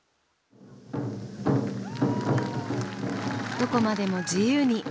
どこまでも自由に。